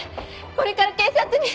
これから警察に。